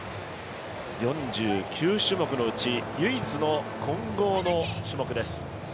４９種目のうち唯一の混合の種目です。